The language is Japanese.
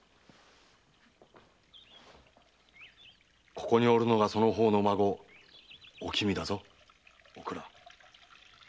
ここにおるのがその方の孫・おきみだぞ。